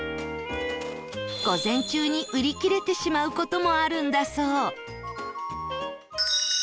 午前中に売り切れてしまう事もあるんだそう